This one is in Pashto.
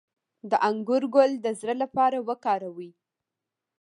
د انګور ګل د زړه لپاره وکاروئ